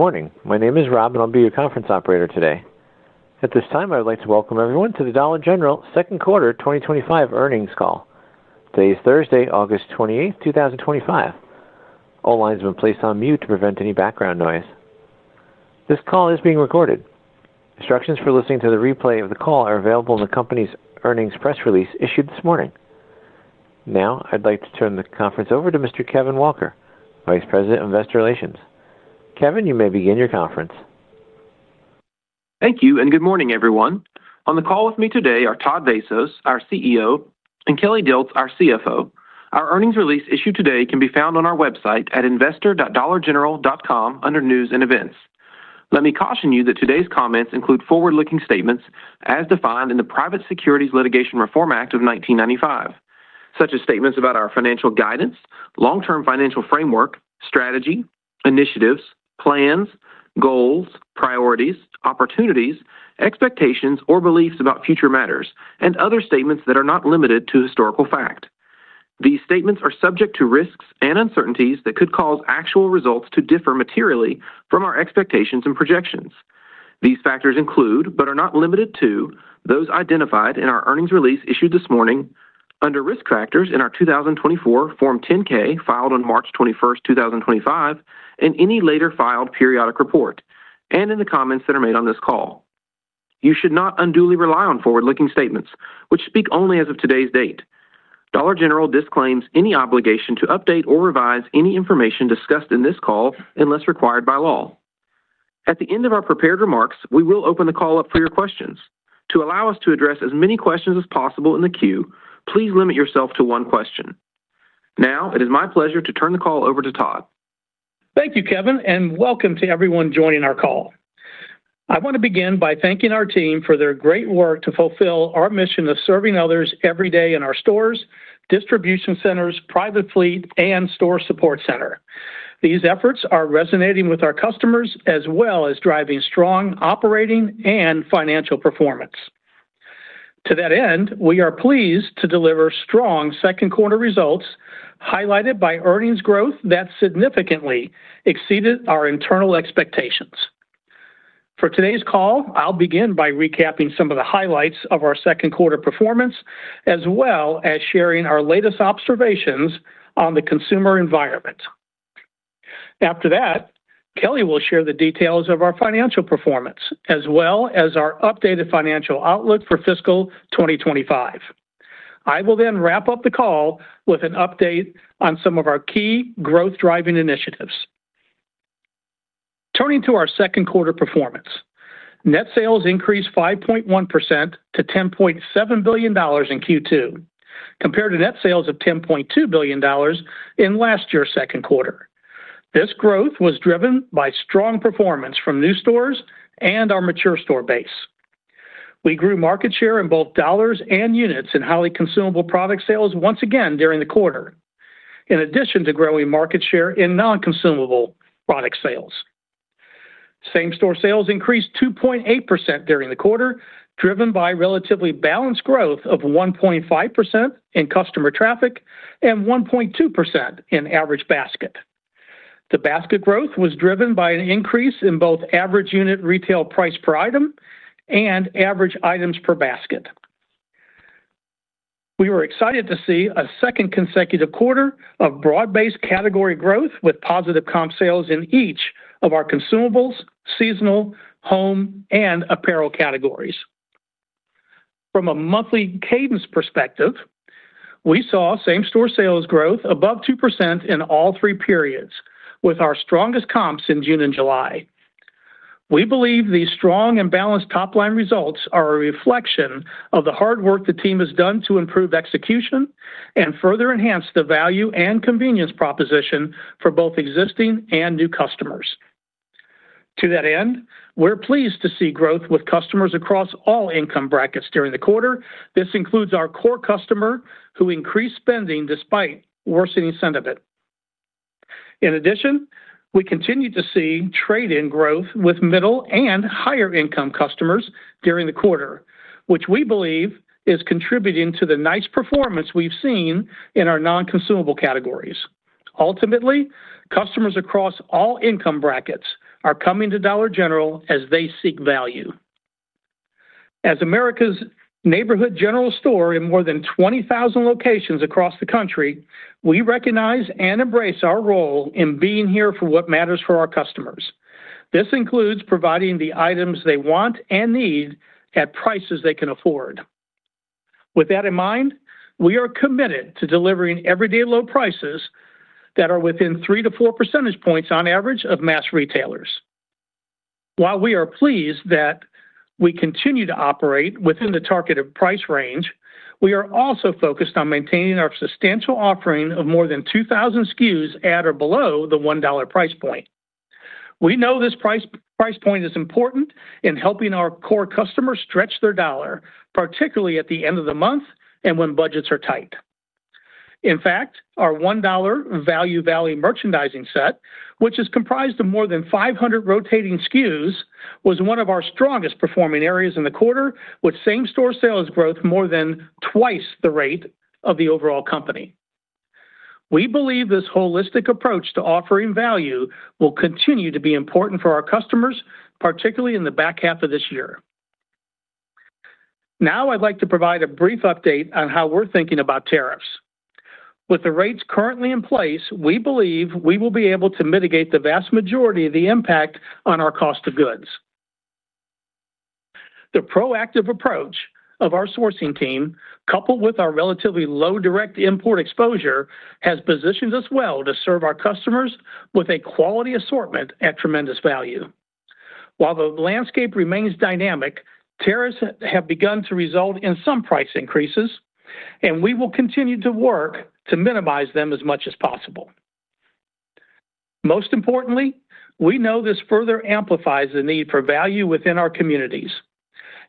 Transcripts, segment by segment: Good morning. My name is Rob, and I'll be your conference operator today. At this time, I would like to welcome everyone to the Dollar General Corporation second quarter 2025 earnings call. Today is Thursday, August 28, 2025. All lines have been placed on mute to prevent any background noise. This call is being recorded. Instructions for listening to the replay of the call are available in the company's earnings press release issued this morning. Now, I'd like to turn the conference over to Mr. Kevin Walker, Vice President of Investor Relations. Kevin, you may begin your conference. Thank you, and good morning, everyone. On the call with me today are Todd Vasos, our CEO, and Kelly Dilts, our CFO. Our earnings release issued today can be found on our website at investor.dollargeneral.com under News and Events. Let me caution you that today's comments include forward-looking statements as defined in the Private Securities Litigation Reform Act of 1995, such as statements about our financial guidance, long-term financial framework, strategy, initiatives, plans, goals, priorities, opportunities, expectations, or beliefs about future matters, and other statements that are not limited to historical fact. These statements are subject to risks and uncertainties that could cause actual results to differ materially from our expectations and projections. These factors include, but are not limited to, those identified in our earnings release issued this morning under risk factors in our 2024 Form 10-K filed on March 21, 2025, and any later filed periodic report, and in the comments that are made on this call. You should not unduly rely on forward-looking statements, which speak only as of today's date. Dollar General disclaims any obligation to update or revise any information discussed in this call unless required by law. At the end of our prepared remarks, we will open the call up for your questions. To allow us to address as many questions as possible in the queue, please limit yourself to one question. Now, it is my pleasure to turn the call over to Todd. Thank you, Kevin, and welcome to everyone joining our call. I want to begin by thanking our team for their great work to fulfill our mission of serving others every day in our stores, distribution centers, private fleet, and store support center. These efforts are resonating with our customers as well as driving strong operating and financial performance. To that end, we are pleased to deliver strong second quarter results highlighted by earnings growth that significantly exceeded our internal expectations. For today's call, I'll begin by recapping some of the highlights of our second quarter performance, as well as sharing our latest observations on the consumer environment. After that, Kelly will share the details of our financial performance, as well as our updated financial outlook for fiscal 2025. I will then wrap up the call with an update on some of our key growth-driving initiatives. Turning to our second quarter performance, net sales increased 5.1% to $10.7 billion in Q2, compared to net sales of $10.2 billion in last year's second quarter. This growth was driven by strong performance from new stores and our mature store base. We grew market share in both dollars and units in highly consumable product sales once again during the quarter, in addition to growing market share in non-consumable product sales. Same-store sales increased 2.8% during the quarter, driven by relatively balanced growth of 1.5% in customer traffic and 1.2% in average basket. The basket growth was driven by an increase in both average unit retail price per item and average items per basket. We were excited to see a second consecutive quarter of broad-based category growth with positive comp sales in each of our consumables, seasonal, home, and apparel categories. From a monthly cadence perspective, we saw same-store sales growth above 2% in all three periods, with our strongest comps in June and July. We believe these strong and balanced top-line results are a reflection of the hard work the team has done to improve execution and further enhance the value and convenience proposition for both existing and new customers. To that end, we're pleased to see growth with customers across all income brackets during the quarter. This includes our core customer who increased spending despite worsening sentiment. In addition, we continue to see trade-in growth with middle and higher-income customers during the quarter, which we believe is contributing to the nice performance we've seen in our non-consumable categories. Ultimately, customers across all income brackets are coming to Dollar General as they seek value. As America's neighborhood general store in more than 20,000 locations across the country, we recognize and embrace our role in being here for what matters for our customers. This includes providing the items they want and need at prices they can afford. With that in mind, we are committed to delivering everyday low prices that are within 3%-4% on average of mass retailers. While we are pleased that we continue to operate within the targeted price range, we are also focused on maintaining our substantial offering of more than 2,000 SKUs at or below the $1 price point. We know this price point is important in helping our core customers stretch their dollar, particularly at the end of the month and when budgets are tight. In fact, our $1 Value Valley merchandising set, which is comprised of more than 500 rotating SKUs, was one of our strongest performing areas in the quarter, with same-store sales growth more than twice the rate of the overall company. We believe this holistic approach to offering value will continue to be important for our customers, particularly in the back half of this year. Now, I'd like to provide a brief update on how we're thinking about tariffs. With the rates currently in place, we believe we will be able to mitigate the vast majority of the impact on our cost of goods. The proactive approach of our sourcing team, coupled with our relatively low direct import exposure, has positioned us well to serve our customers with a quality assortment at tremendous value. While the landscape remains dynamic, tariffs have begun to result in some price increases, and we will continue to work to minimize them as much as possible. Most importantly, we know this further amplifies the need for value within our communities,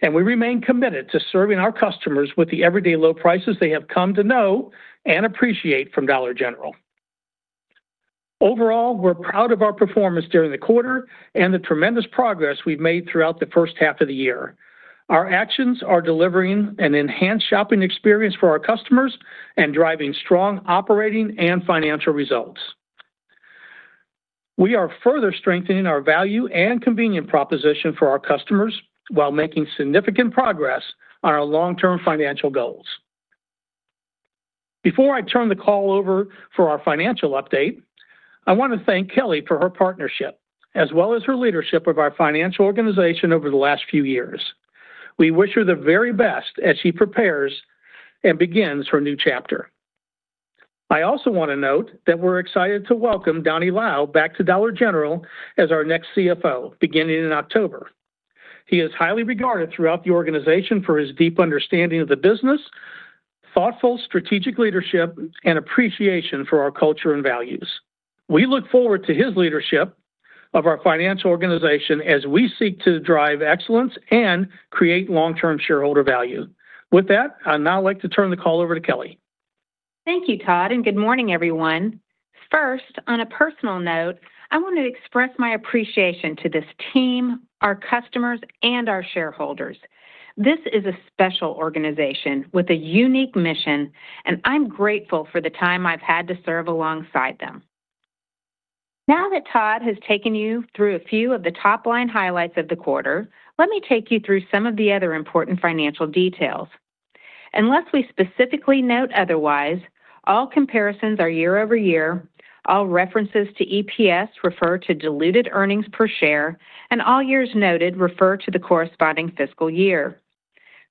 and we remain committed to serving our customers with the everyday low prices they have come to know and appreciate from Dollar General. Overall, we're proud of our performance during the quarter and the tremendous progress we've made throughout the first half of the year. Our actions are delivering an enhanced shopping experience for our customers and driving strong operating and financial results. We are further strengthening our value and convenience proposition for our customers while making significant progress on our long-term financial goals. Before I turn the call over for our financial update, I want to thank Kelly for her partnership, as well as her leadership of our financial organization over the last few years. We wish her the very best as she prepares and begins her new chapter. I also want to note that we're excited to welcome Donny Lau back to Dollar General as our next CFO, beginning in October. He is highly regarded throughout the organization for his deep understanding of the business, thoughtful strategic leadership, and appreciation for our culture and values. We look forward to his leadership of our financial organization as we seek to drive excellence and create long-term shareholder value. With that, I'd now like to turn the call over to Kelly. Thank you, Todd, and good morning, everyone. First, on a personal note, I want to express my appreciation to this team, our customers, and our shareholders. This is a special organization with a unique mission, and I'm grateful for the time I've had to serve alongside them. Now that Todd has taken you through a few of the top-line highlights of the quarter, let me take you through some of the other important financial details. Unless we specifically note otherwise, all comparisons are year over year, all references to EPS refer to diluted earnings per share, and all years noted refer to the corresponding fiscal year.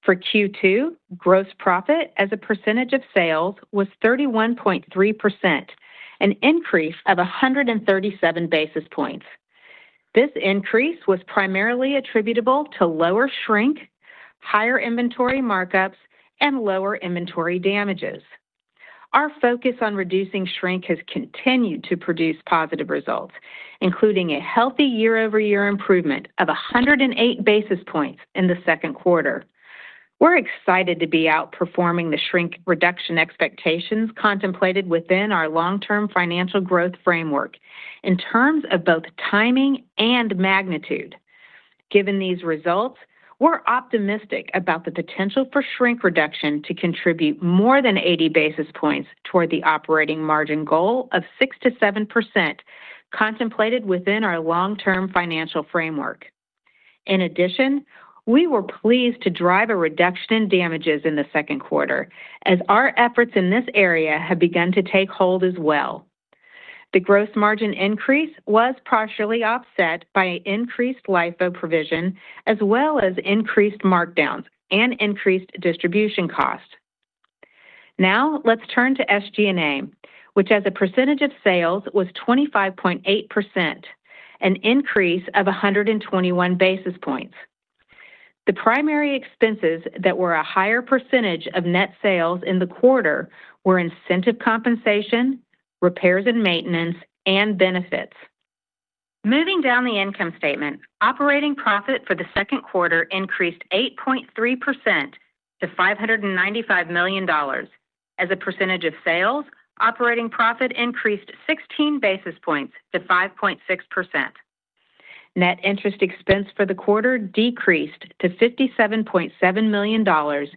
For Q2, gross profit as a percentage of sales was 31.3%, an increase of 137 basis points. This increase was primarily attributable to lower shrink, higher inventory markups, and lower inventory damages. Our focus on reducing shrink has continued to produce positive results, including a healthy year-over-year improvement of 108 basis points in the second quarter. We're excited to be outperforming the shrink reduction expectations contemplated within our long-term financial growth framework in terms of both timing and magnitude. Given these results, we're optimistic about the potential for shrink reduction to contribute more than 80 basis points toward the operating margin goal of 6%-7% contemplated within our long-term financial framework. In addition, we were pleased to drive a reduction in damages in the second quarter, as our efforts in this area have begun to take hold as well. The gross margin increase was partially offset by an increased LIFO provision, as well as increased markdowns and increased distribution costs. Now, let's turn to SG&A, which as a percentage of sales was 25.8%, an increase of 121 basis points. The primary expenses that were a higher percentage of net sales in the quarter were incentive compensation, repairs and maintenance, and benefits. Moving down the income statement, operating profit for the second quarter increased 8.3% to $595 million. As a percentage of sales, operating profit increased 16 basis points to 5.6%. Net interest expense for the quarter decreased to $57.7 million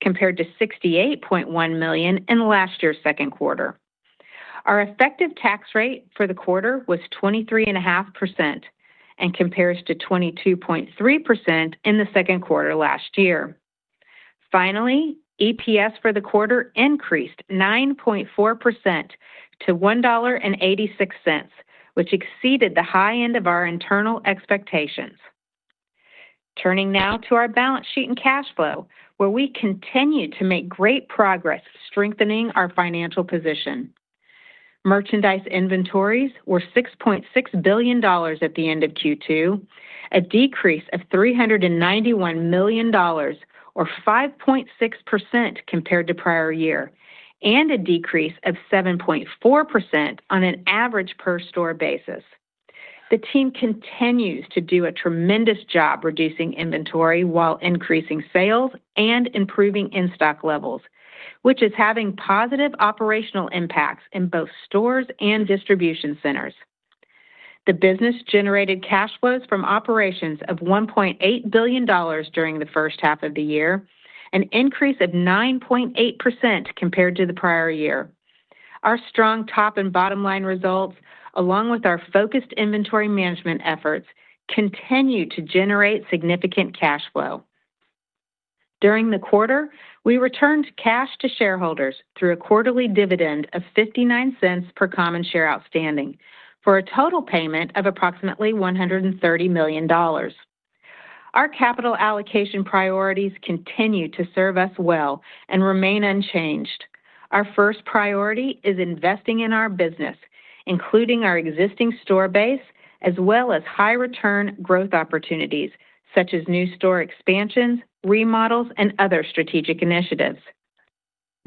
compared to $68.1 million in last year's second quarter. Our effective tax rate for the quarter was 23.5% and compares to 22.3% in the second quarter last year. Finally, EPS for the quarter increased 9.4% to $1.86, which exceeded the high end of our internal expectations. Turning now to our balance sheet and cash flow, where we continue to make great progress strengthening our financial position. Merchandise inventories were $6.6 billion at the end of Q2, a decrease of $391 million, or 5.6% compared to prior year, and a decrease of 7.4% on an average per store basis. The team continues to do a tremendous job reducing inventory while increasing sales and improving in-stock levels, which is having positive operational impacts in both stores and distribution centers. The business generated cash flows from operations of $1.8 billion during the first half of the year, an increase of 9.8% compared to the prior year. Our strong top and bottom line results, along with our focused inventory management efforts, continue to generate significant cash flow. During the quarter, we returned cash to shareholders through a quarterly dividend of $0.59 per common share outstanding for a total payment of approximately $130 million. Our capital allocation priorities continue to serve us well and remain unchanged. Our first priority is investing in our business, including our existing store base, as well as high return growth opportunities such as new store expansions, remodels, and other strategic initiatives.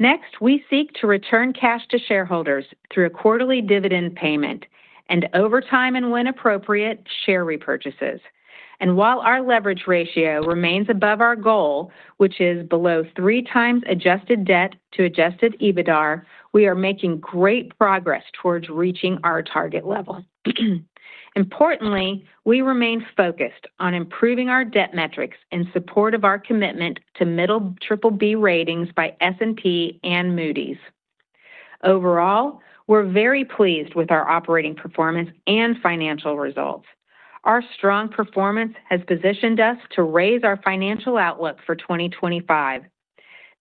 Next, we seek to return cash to shareholders through a quarterly dividend payment and overtime and when appropriate, share repurchases. While our leverage ratio remains above our goal, which is below three times adjusted debt to adjusted EBITDA, we are making great progress towards reaching our target level. Importantly, we remain focused on improving our debt metrics in support of our commitment to middle BBB ratings by S&P and Moody's. Overall, we're very pleased with our operating performance and financial results. Our strong performance has positioned us to raise our financial outlook for 2025.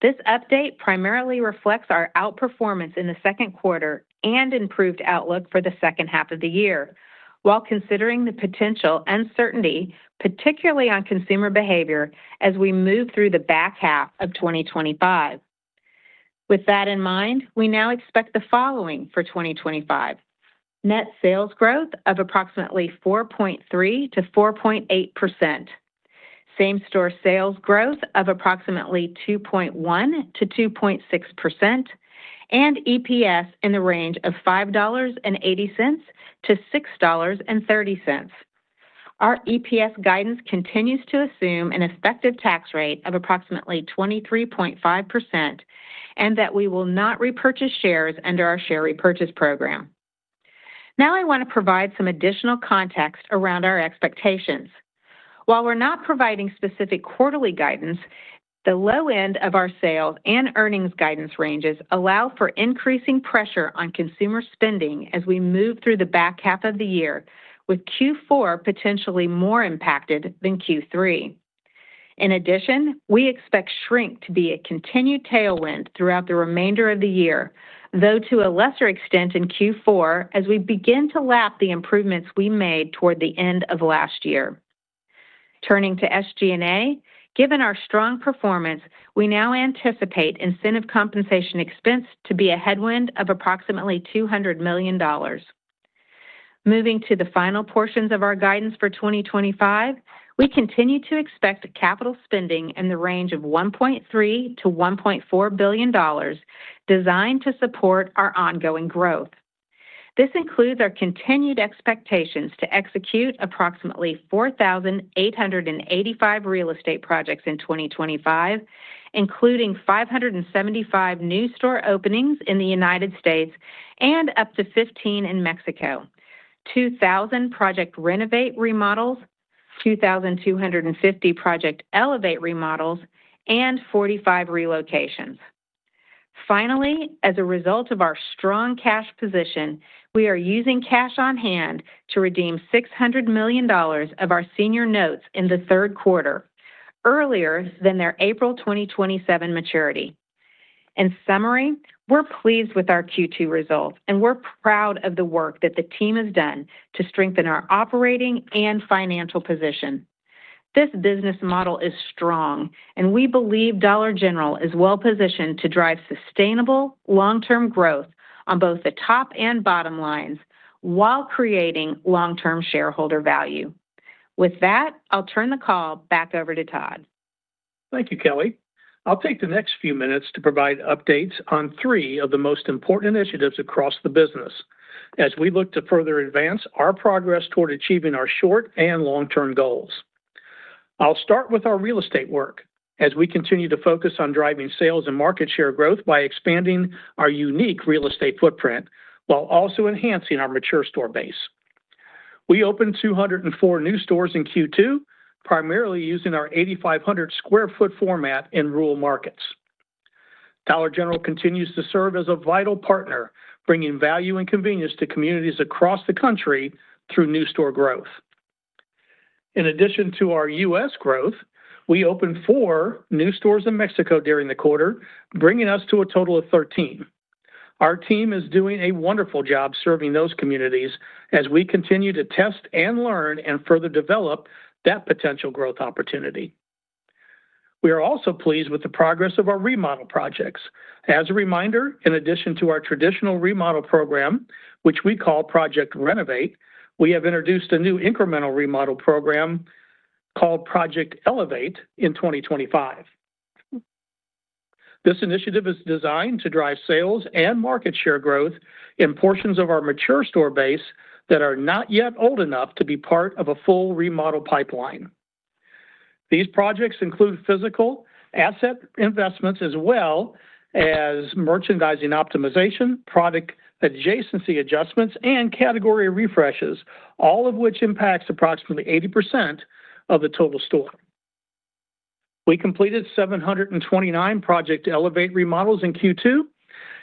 This update primarily reflects our outperformance in the second quarter and improved outlook for the second half of the year, while considering the potential uncertainty, particularly on consumer behavior as we move through the back half of 2025. With that in mind, we now expect the following for 2025: net sales growth of approximately 4.3%-4.8%, same-store sales growth of approximately 2.1%-2.6%, and EPS in the range of $5.80-$6.30. Our EPS guidance continues to assume an effective tax rate of approximately 23.5% and that we will not repurchase shares under our share repurchase program. Now, I want to provide some additional context around our expectations. While we're not providing specific quarterly guidance, the low end of our sales and earnings guidance ranges allow for increasing pressure on consumer spending as we move through the back half of the year, with Q4 potentially more impacted than Q3. In addition, we expect shrink to be a continued tailwind throughout the remainder of the year, though to a lesser extent in Q4 as we begin to lap the improvements we made toward the end of last year. Turning to SG&A, given our strong performance, we now anticipate incentive compensation expense to be a headwind of approximately $200 million. Moving to the final portions of our guidance for 2025, we continue to expect capital spending in the range of $1.3-$1.4 billion designed to support our ongoing growth. This includes our continued expectations to execute approximately 4,885 real estate projects in 2025, including 575 new store openings in the United States and up to 15 in Mexico, 2,000 project renovate remodels, 2,250 project elevate remodels, and 45 relocations. Finally, as a result of our strong cash position, we are using cash on hand to redeem $600 million of our senior notes in the third quarter, earlier than their April 2027 maturity. In summary, we're pleased with our Q2 results, and we're proud of the work that the team has done to strengthen our operating and financial position. This business model is strong, and we believe Dollar General is well-positioned to drive sustainable long-term growth on both the top and bottom lines while creating long-term shareholder value. With that, I'll turn the call back over to Todd. Thank you, Kelly. I'll take the next few minutes to provide updates on three of the most important initiatives across the business as we look to further advance our progress toward achieving our short and long-term goals. I'll start with our real estate work as we continue to focus on driving sales and market share growth by expanding our unique real estate footprint while also enhancing our mature store base. We opened 204 new stores in Q2, primarily using our 8,500 sq ft format in rural markets. Dollar General continues to serve as a vital partner, bringing value and convenience to communities across the country through new store growth. In addition to our U.S. growth, we opened four new stores in Mexico during the quarter, bringing us to a total of 13. Our team is doing a wonderful job serving those communities as we continue to test and learn and further develop that potential growth opportunity. We are also pleased with the progress of our remodel projects. As a reminder, in addition to our traditional remodel program, which we call Project Renovate, we have introduced a new incremental remodel program called Project Elevate in 2025. This initiative is designed to drive sales and market share growth in portions of our mature store base that are not yet old enough to be part of a full remodel pipeline. These projects include physical asset investments as well as merchandising optimization, product adjacency adjustments, and category refreshes, all of which impact approximately 80% of the total store. We completed 729 Project Elevate remodels in Q2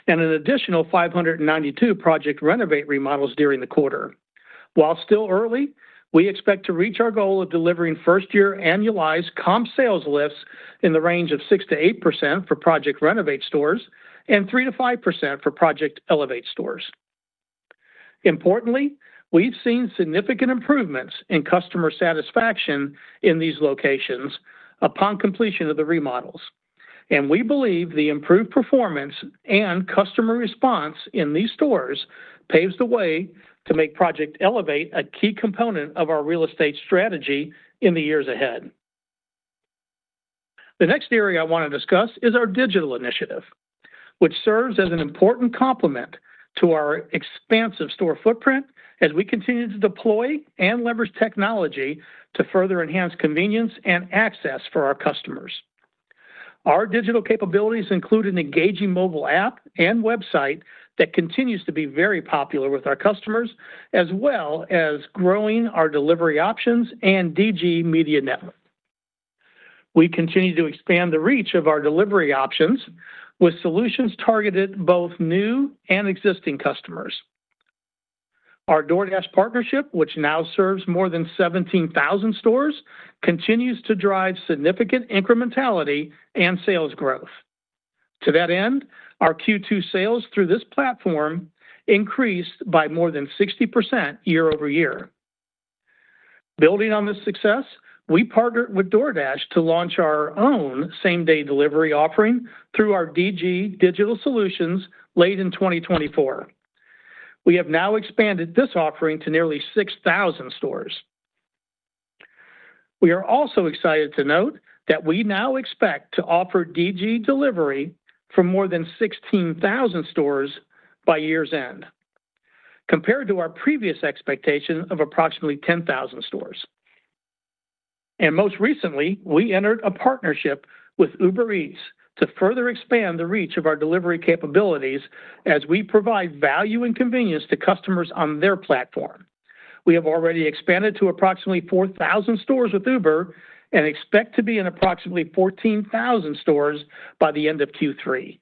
and an additional 592 Project Renovate remodels during the quarter. While still early, we expect to reach our goal of delivering first-year annualized comp sales lifts in the range of 6%-8% for Project Renovate stores and 3%-5% for Project Elevate stores. Importantly, we've seen significant improvements in customer satisfaction in these locations upon completion of the remodels, and we believe the improved performance and customer response in these stores paves the way to make Project Elevate a key component of our real estate strategy in the years ahead. The next area I want to discuss is our digital initiative, which serves as an important complement to our expansive store footprint as we continue to deploy and leverage technology to further enhance convenience and access for our customers. Our digital capabilities include an engaging mobile app and website that continues to be very popular with our customers, as well as growing our delivery options and DG Media Network. We continue to expand the reach of our delivery options with solutions targeted both new and existing customers. Our DoorDash partnership, which now serves more than 17,000 stores, continues to drive significant incrementality and sales growth. To that end, our Q2 sales through this platform increased by more than 60% year-over-year. Building on this success, we partnered with DoorDash to launch our own same-day delivery offering through our DG digital solutions late in 2024. We have now expanded this offering to nearly 6,000 stores. We are also excited to note that we now expect to offer DG delivery for more than 16,000 stores by year's end, compared to our previous expectation of approximately 10,000 stores. Most recently, we entered a partnership with Uber Eats to further expand the reach of our delivery capabilities as we provide value and convenience to customers on their platform. We have already expanded to approximately 4,000 stores with Uber and expect to be in approximately 14,000 stores by the end of Q3.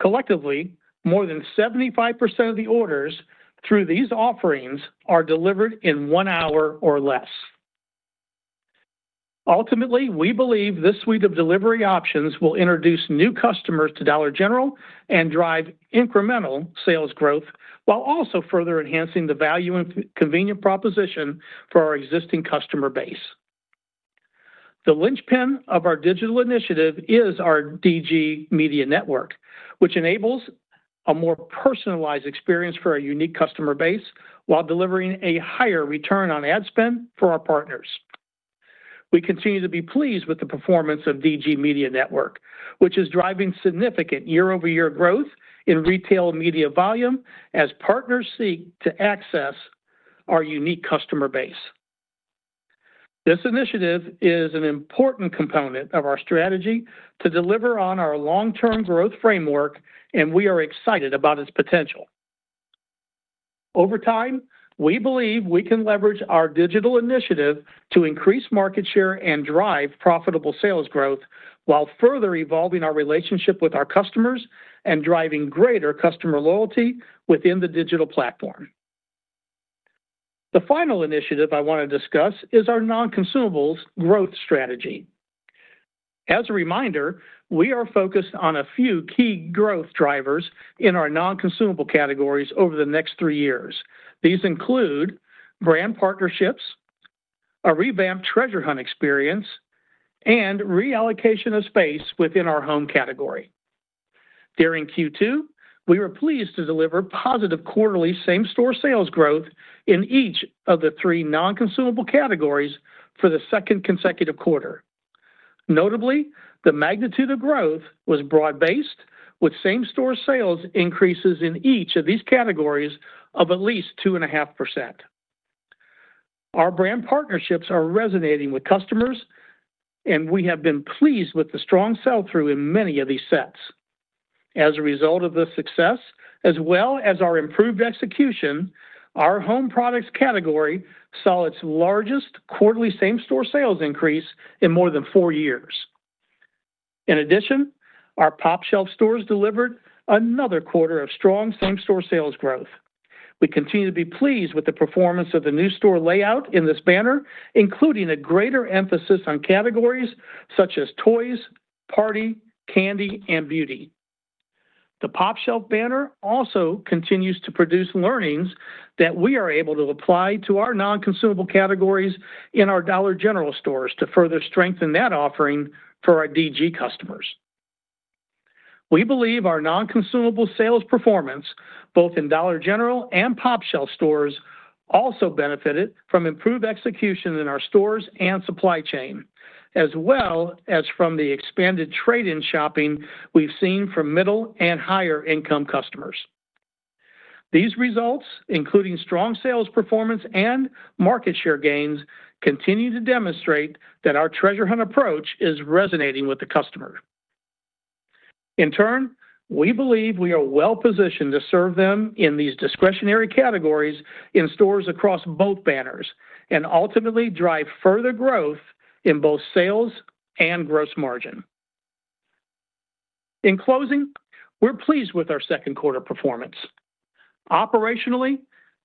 Collectively, more than 75% of the orders through these offerings are delivered in one hour or less. Ultimately, we believe this suite of delivery options will introduce new customers to Dollar General and drive incremental sales growth, while also further enhancing the value and convenience proposition for our existing customer base. The linchpin of our digital initiative is our DG Media Network, which enables a more personalized experience for our unique customer base while delivering a higher return on ad spend for our partners. We continue to be pleased with the performance of DG Media Network, which is driving significant year-over-year growth in retail media volume as partners seek to access our unique customer base. This initiative is an important component of our strategy to deliver on our long-term growth framework, and we are excited about its potential. Over time, we believe we can leverage our digital initiative to increase market share and drive profitable sales growth while further evolving our relationship with our customers and driving greater customer loyalty within the digital platform. The final initiative I want to discuss is our non-consumables growth strategy. As a reminder, we are focused on a few key growth drivers in our non-consumable categories over the next three years. These include brand partnerships, a revamped treasure hunt experience, and reallocation of space within our home category. During Q2, we were pleased to deliver positive quarterly same-store sales growth in each of the three non-consumable categories for the second consecutive quarter. Notably, the magnitude of growth was broad-based, with same-store sales increases in each of these categories of at least 2.5%. Our brand partnerships are resonating with customers, and we have been pleased with the strong sell-through in many of these sets. As a result of this success, as well as our improved execution, our home products category saw its largest quarterly same-store sales increase in more than four years. In addition, our pOpshelf stores delivered another quarter of strong same-store sales growth. We continue to be pleased with the performance of the new store layout in this banner, including a greater emphasis on categories such as toys, party, candy, and beauty. The pOpshelf banner also continues to produce learnings that we are able to apply to our non-consumable categories in our Dollar General stores to further strengthen that offering for our DG customers. We believe our non-consumable sales performance both in Dollar General and pOpshelf stores also benefited from improved execution in our stores and supply chain, as well as from the expanded trade-in shopping we've seen from middle and higher-income customers. These results, including strong sales performance and market share gains, continue to demonstrate that our treasure hunt approach is resonating with the customer. In turn, we believe we are well-positioned to serve them in these discretionary categories in stores across both banners and ultimately drive further growth in both sales and gross margin. In closing, we're pleased with our second quarter performance. Operationally,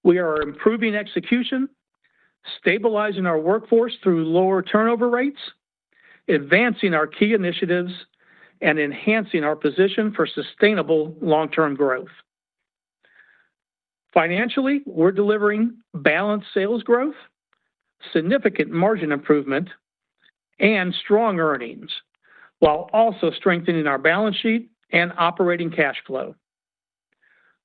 we are improving execution, stabilizing our workforce through lower turnover rates, advancing our key initiatives, and enhancing our position for sustainable long-term growth. Financially, we're delivering balanced sales growth, significant margin improvement, and strong earnings, while also strengthening our balance sheet and operating cash flow.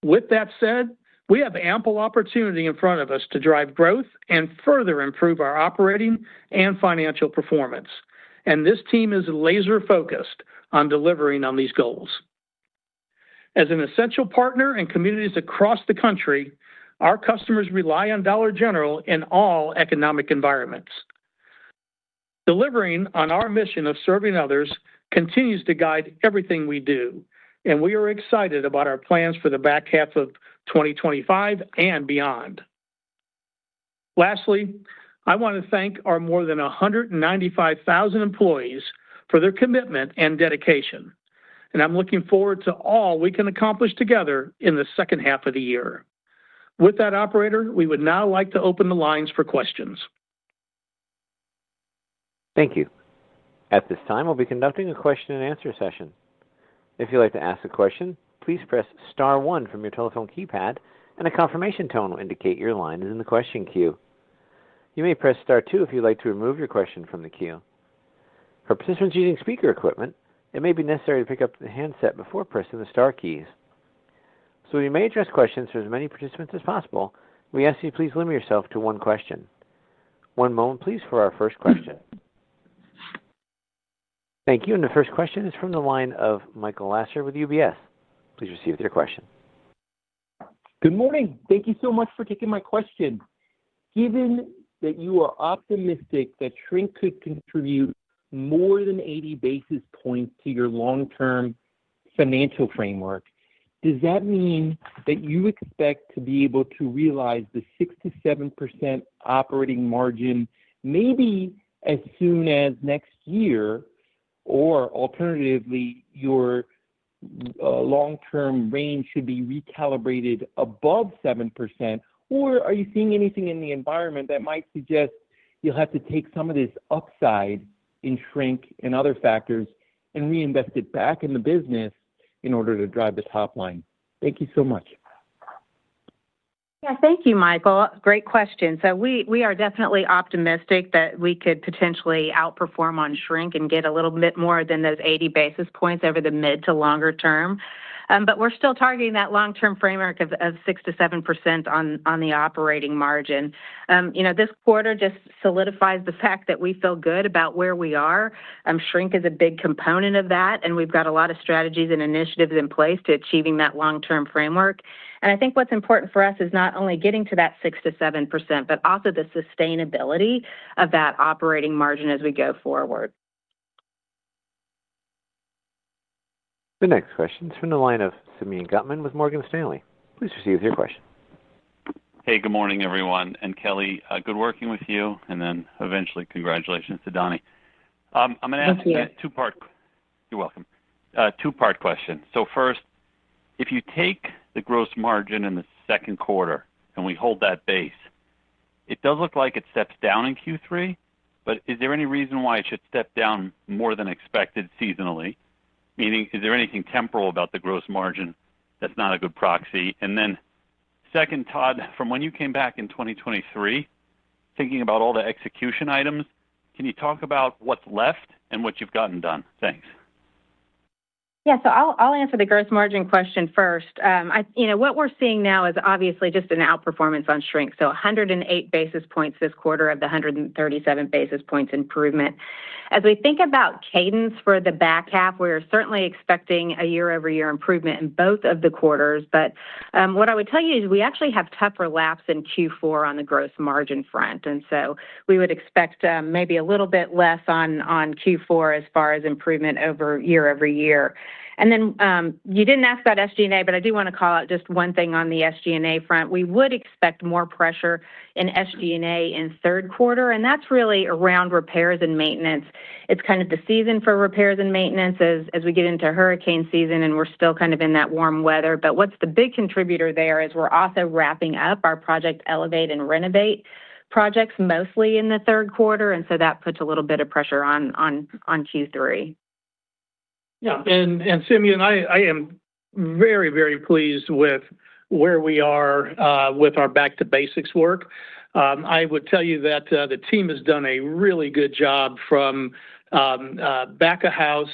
With that said, we have ample opportunity in front of us to drive growth and further improve our operating and financial performance, and this team is laser-focused on delivering on these goals. As an essential partner in communities across the country, our customers rely on Dollar General in all economic environments. Delivering on our mission of serving others continues to guide everything we do, and we are excited about our plans for the back half of 2025 and beyond. Lastly, I want to thank our more than 195,000 employees for their commitment and dedication, and I'm looking forward to all we can accomplish together in the second half of the year. With that, operator, we would now like to open the lines for questions. Thank you. At this time, we'll be conducting a question and answer session. If you'd like to ask a question, please press star one from your telephone keypad, and a confirmation tone will indicate your line is in the question queue. You may press star two if you'd like to remove your question from the queue. For participants using speaker equipment, it may be necessary to pick up the handset before pressing the Star keys. We may address questions from as many participants as possible. We ask that you please limit yourself to one question. One moment, please, for our first question. Thank you, and the first question is from the line of Michael Lasser with UBS. Please proceed with your question. Good morning. Thank you so much for taking my question. Given that you are optimistic that shrink could contribute more than 80 basis points to your long-term financial framework, does that mean that you expect to be able to realize the 6 to 7% operating margin maybe as soon as next year, or alternatively, your long-term range should be recalibrated above 7%, or are you seeing anything in the environment that might suggest you'll have to take some of this upside in shrink and other factors and reinvest it back in the business in order to drive the top line? Thank you so much. Yeah, thank you, Michael. Great question. We are definitely optimistic that we could potentially outperform on shrink and get a little bit more than those 80 basis points over the mid to longer term. We're still targeting that long-term framework of 6 to 7% on the operating margin. This quarter just solidifies the fact that we feel good about where we are. Shrink is a big component of that, and we've got a lot of strategies and initiatives in place to achieving that long-term framework. I think what's important for us is not only getting to that 6 to 7%, but also the sustainability of that operating margin as we go forward. The next question is from the line of Simeon Ari Gutman with Morgan Stanley. Please proceed with your question. Hey, good morning, everyone, and Kelly, good working with you, and then eventually congratulations to Donny. I'm going to ask you a two-part question. You're welcome. Two-part question. First, if you take the gross margin in the second quarter and we hold that base, it does look like it steps down in Q3, but is there any reason why it should step down more than expected seasonally? Meaning, is there anything temporal about the gross margin that's not a good proxy? Then second, Todd, from when you came back in 2023, thinking about all the execution items, can you talk about what's left and what you've gotten done? Thanks. Yeah, I'll answer the gross margin question first. What we're seeing now is obviously just an outperformance on shrink, so 108 basis points this quarter of the 137 basis points improvement. As we think about cadence for the back half, we are certainly expecting a year-over-year improvement in both of the quarters. What I would tell you is we actually have tougher laps in Q4 on the gross margin front, so we would expect maybe a little bit less on Q4 as far as improvement over year-over-year. You didn't ask about SG&A, but I do want to call out just one thing on the SG&A front. We would expect more pressure in SG&A in third quarter, and that's really around repairs and maintenance. It's kind of the season for repairs and maintenance as we get into hurricane season, and we're still kind of in that warm weather. What's the big contributor there is we're also wrapping up our Project Elevate and Renovate projects mostly in the third quarter, so that puts a little bit of pressure on Q3. Yeah, and Simeon, I am very, very pleased with where we are with our back-to-basics work. I would tell you that the team has done a really good job from back of house,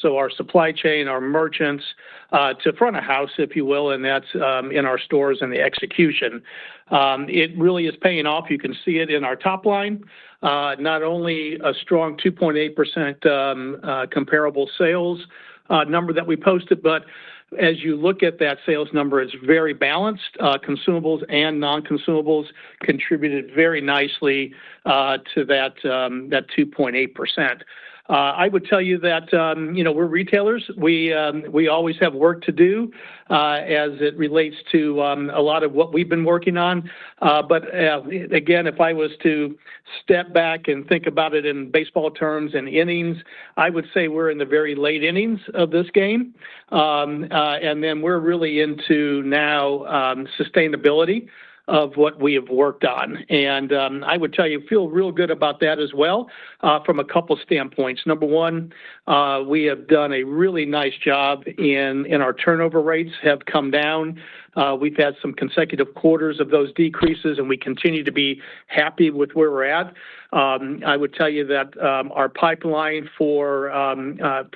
so our supply chain, our merchants, to front of house, if you will, and that's in our stores and the execution. It really is paying off. You can see it in our top line, not only a strong 2.8% comparable sales number that we posted, but as you look at that sales number, it's very balanced. Consumables and non-consumables contributed very nicely to that 2.8%. I would tell you that, you know, we're retailers. We always have work to do as it relates to a lot of what we've been working on, but again, if I was to step back and think about it in baseball terms and innings, I would say we're in the very late innings of this game, and then we're really into now sustainability of what we have worked on, and I would tell you I feel real good about that as well from a couple of standpoints. Number one, we have done a really nice job in our turnover rates have come down. We've had some consecutive quarters of those decreases, and we continue to be happy with where we're at. I would tell you that our pipeline for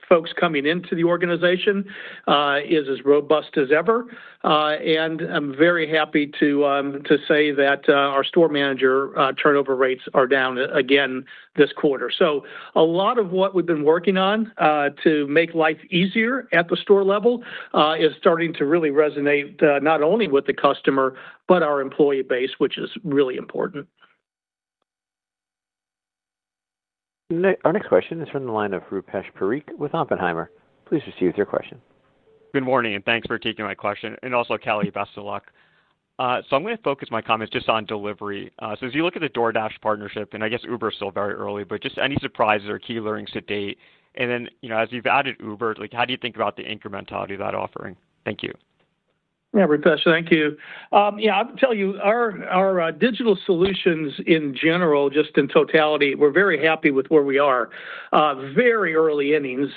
folks coming into the organization is as robust as ever, and I'm very happy to say that our store manager turnover rates are down again this quarter. A lot of what we've been working on to make life easier at the store level is starting to really resonate not only with the customer but our employee base, which is really important. Our next question is from the line of Rupesh Dhinoj Parikh with Oppenheimer. Please proceed with your question. Good morning, and thanks for taking my question, and also Kelly, best of luck. I'm going to focus my comments just on delivery. As you look at the DoorDash partnership, and I guess Uber is still very early, but just any surprises or key learnings to date, and then, you know, as you've added Uber, how do you think about the incrementality of that offering? Thank you. Yeah, Rupesh, thank you. I'll tell you, our digital solutions in general, just in totality, we're very happy with where we are. Very early innings,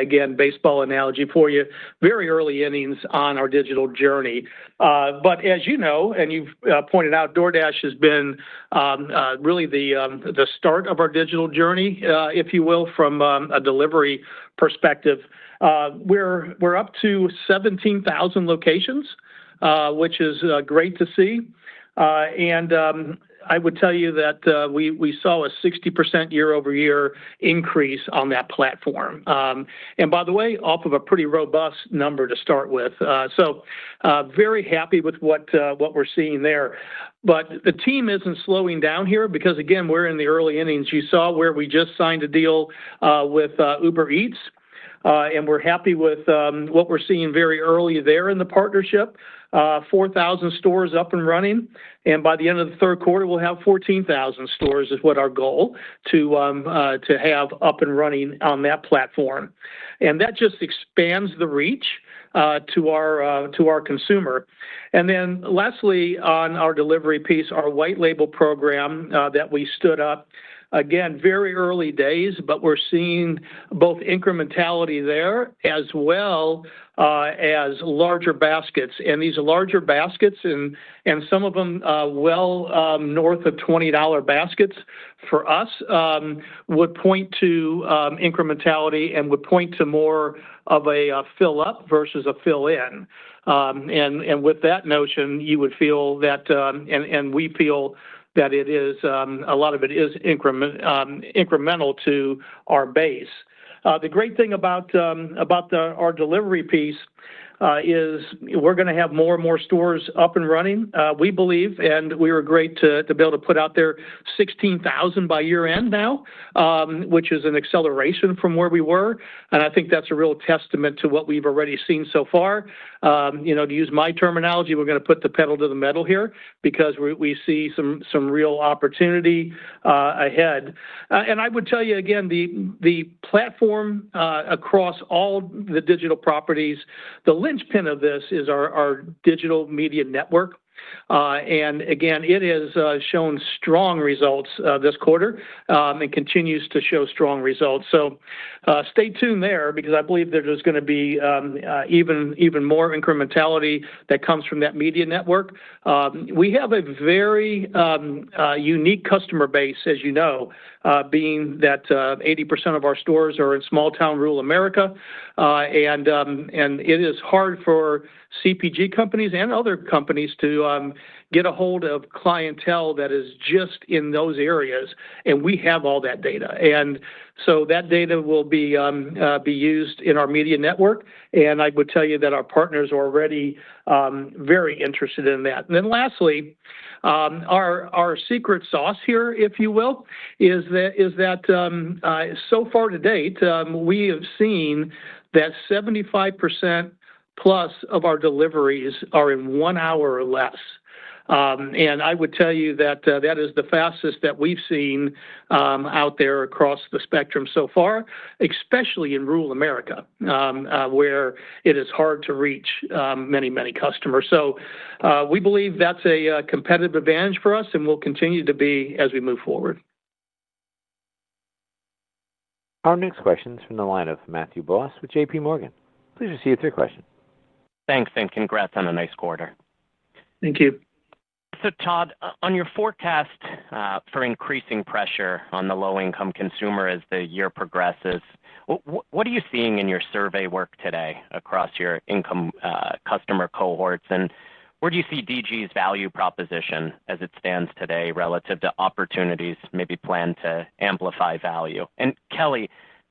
again, baseball analogy for you, very early innings on our digital journey. As you know, and you've pointed out, DoorDash has been really the start of our digital journey, if you will, from a delivery perspective. We're up to 17,000 locations, which is great to see, and I would tell you that we saw a 60% year-over-year increase on that platform, and by the way, off of a pretty robust number to start with. Very happy with what we're seeing there. The team isn't slowing down here because, again, we're in the early innings. You saw where we just signed a deal with Uber Eats, and we're happy with what we're seeing very early there in the partnership. 4,000 stores up and running, and by the end of the third quarter, we'll have 14,000 stores, which is our goal to have up and running on that platform. That just expands the reach to our consumer. Lastly, on our delivery piece, our white label program that we stood up, again, very early days, but we're seeing both incrementality there as well as larger baskets. These larger baskets, and some of them well north of $20 baskets for us, would point to incrementality and would point to more of a fill-up versus a fill-in. With that notion, you would feel that, and we feel that it is, a lot of it is incremental to our base. The great thing about our delivery piece is we're going to have more and more stores up and running, we believe, and we were great to be able to put out there 16,000 by year-end now, which is an acceleration from where we were. I think that's a real testament to what we've already seen so far. To use my terminology, we're going to put the pedal to the metal here because we see some real opportunity ahead. I would tell you, again, the platform across all the digital properties, the linchpin of this is our DG Media Network. It has shown strong results this quarter and continues to show strong results. Stay tuned there because I believe there's going to be even more incrementality that comes from that media network. We have a very unique customer base, as you know, being that 80% of our stores are in small-town rural America, and it is hard for CPG companies and other companies to get a hold of clientele that is just in those areas, and we have all that data. That data will be used in our DG Media Network, and I would tell you that our partners are already very interested in that. Lastly, our secret sauce here, if you will, is that so far to date, we have seen that 75% plus of our deliveries are in one hour or less. I would tell you that is the fastest that we've seen out there across the spectrum so far, especially in rural America, where it is hard to reach many, many customers. We believe that's a competitive advantage for us, and it will continue to be as we move forward. Our next question is from the line of Matthew Boss with JPMorgan Chase & Co. Please proceed with your question. Thanks, and congrats on a nice quarter. Thank you. Todd, on your forecast for increasing pressure on the low-income consumer as the year progresses, what are you seeing in your survey work today across your income customer cohorts, and where do you see Dollar General's value proposition as it stands today relative to opportunities maybe planned to amplify value? Kelly,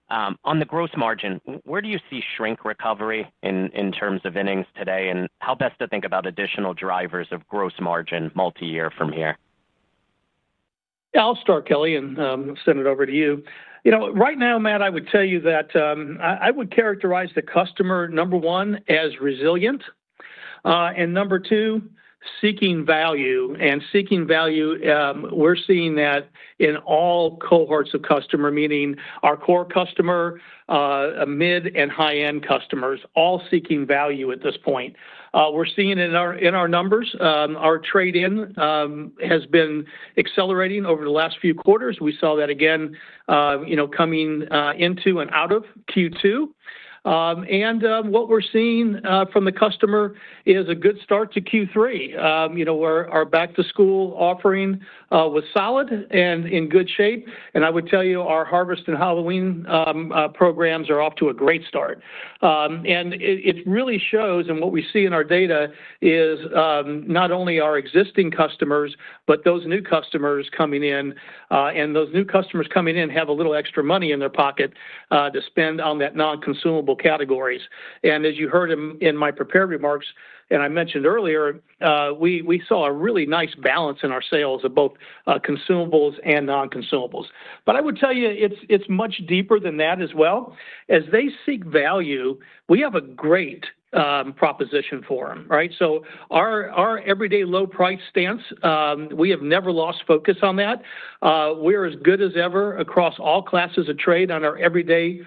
on the gross margin, where do you see shrink recovery in terms of innings today, and how best to think about additional drivers of gross margin multi-year from here? Yeah, I'll start, Kelly, and send it over to you. Right now, Matt, I would tell you that I would characterize the customer, number one, as resilient, and number two, seeking value. Seeking value, we're seeing that in all cohorts of customer, meaning our core customer, mid and high-end customers, all seeking value at this point. We're seeing it in our numbers. Our trade-in has been accelerating over the last few quarters. We saw that again, coming into and out of Q2. What we're seeing from the customer is a good start to Q3. Our back-to-school offering was solid and in good shape, and I would tell you our harvest and Halloween programs are off to a great start. It really shows, and what we see in our data is not only our existing customers, but those new customers coming in, and those new customers coming in have a little extra money in their pocket to spend on that non-consumable categories. As you heard in my prepared remarks, and I mentioned earlier, we saw a really nice balance in our sales of both consumables and non-consumables. I would tell you it's much deeper than that as well. As they seek value, we have a great proposition for them, right? Our everyday low price stance, we have never lost focus on that. We're as good as ever across all classes of trade on our everyday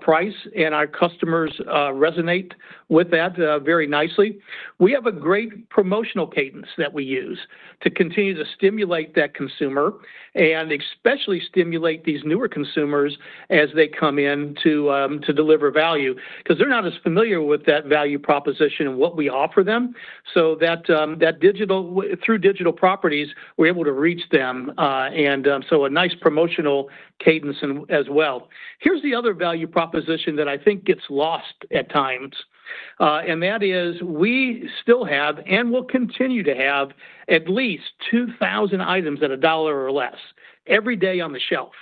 price, and our customers resonate with that very nicely. We have a great promotional cadence that we use to continue to stimulate that consumer and especially stimulate these newer consumers as they come in to deliver value because they're not as familiar with that value proposition and what we offer them. Through digital properties, we're able to reach them, and so a nice promotional cadence as well. Here's the other value proposition that I think gets lost at times, and that is we still have, and we'll continue to have, at least 2,000 items at $1 or less every day on the shelf.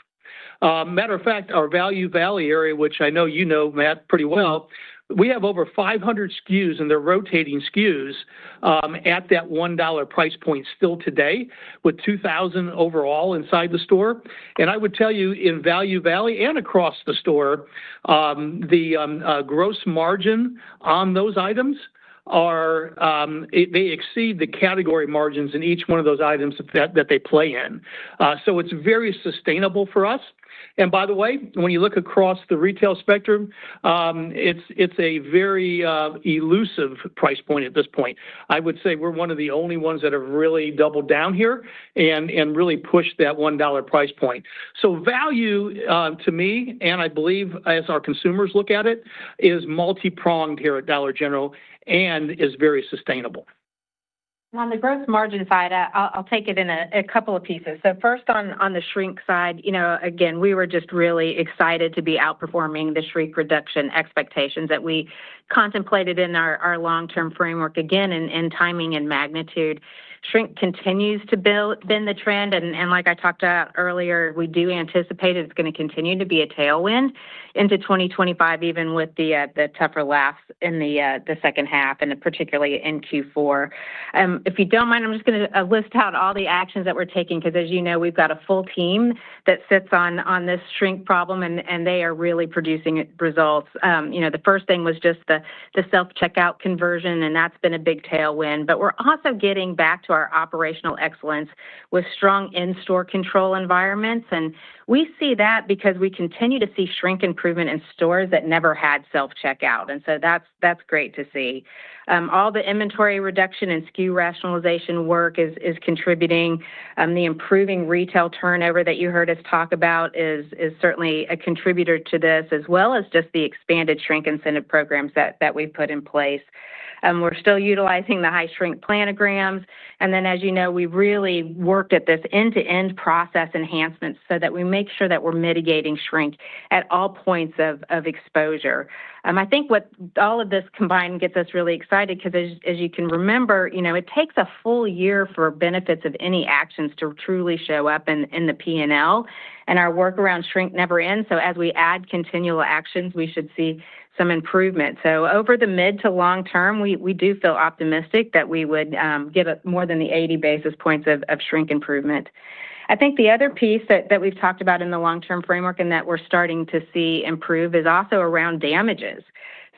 Matter of fact, our Value Valley area, which I know you know, Matt, pretty well, we have over 500 SKUs, and they're rotating SKUs at that $1 price point still today with 2,000 overall inside the store. I would tell you in Value Valley and across the store, the gross margin on those items exceeds the category margins in each one of those items that they play in. It's very sustainable for us. By the way, when you look across the retail spectrum, it's a very elusive price point at this point. I would say we're one of the only ones that have really doubled down here and really pushed that $1 price point. Value to me, and I believe as our consumers look at it, is multipronged here at Dollar General and is very sustainable. On the gross margin side, I'll take it in a couple of pieces. First, on the shrink side, you know, again, we were just really excited to be outperforming the shrink reduction expectations that we contemplated in our long-term framework again in timing and magnitude. Shrink continues to bend the trend, and like I talked about earlier, we do anticipate it's going to continue to be a tailwind into 2025, even with the tougher laps in the second half, and particularly in Q4. If you don't mind, I'm just going to list out all the actions that we're taking because, as you know, we've got a full team that sits on this shrink problem, and they are really producing results. The first thing was just the self-checkout conversion, and that's been a big tailwind, but we're also getting back to our operational excellence with strong in-store control environments, and we see that because we continue to see shrink improvement in stores that never had self-checkout, and that's great to see. All the inventory reduction and SKU rationalization work is contributing. The improving retail turnover that you heard us talk about is certainly a contributor to this, as well as just the expanded shrink incentive programs that we've put in place. We're still utilizing the high shrink planograms, and then, as you know, we really worked at this end-to-end process enhancement so that we make sure that we're mitigating shrink at all points of exposure. I think what all of this combined gets us really excited because, as you can remember, you know, it takes a full year for benefits of any actions to truly show up in the P&L, and our work around shrink never ends. As we add continual actions, we should see some improvement. Over the mid to long term, we do feel optimistic that we would get more than the 80 basis points of shrink improvement. I think the other piece that we've talked about in the long-term framework and that we're starting to see improve is also around damages.